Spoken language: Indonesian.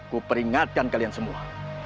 kuperingatkan kalian semua